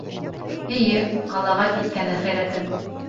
Эйе, ҡалаға киткән әхирәтең.